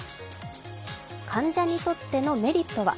患者にとってのメリットは？